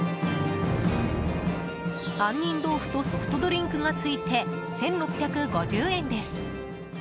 杏仁豆腐とソフトドリンクがついて１６５０円です。